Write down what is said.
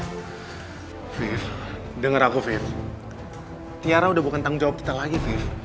afif denger aku afif tiara udah bukan tanggung jawab kita lagi afif